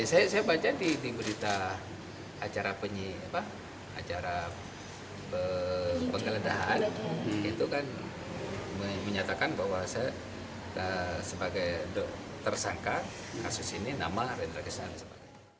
saya baca di berita acara penggeledahan itu kan menyatakan bahwa sebagai tersangka kasus ini nama rendra kesan